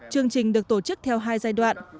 chương trình được tổ chức theo hai giai đoạn